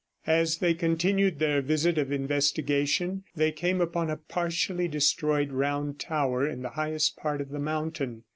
As they continued their visit of investigation, they came upon a partially destroyed round tower in the highest part of the mountain.